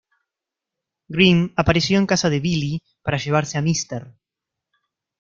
Grim apareció en casa de Billy para llevarse a Mr.